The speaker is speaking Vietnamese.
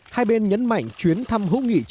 hai hai bên nhấn mạnh chuyến thăm hữu nghị chính phủ